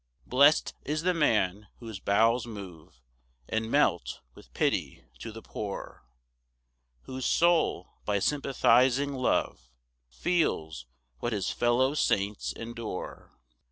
1 Blest is the man whose bowels move, And melt with pity to the poor, Whose soul, by sympathising love, Feels what his fellow saints endure.